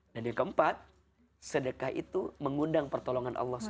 dan yang keempat sedekah itu mengundang pertolongan allah swt